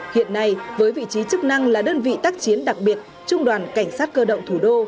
hiện nay với vị trí chức năng là đơn vị tác chiến đặc biệt trung đoàn cảnh sát cơ động thủ đô